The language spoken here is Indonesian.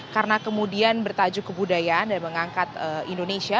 karena kemudian bertajuk kebudayaan dan mengangkat indonesia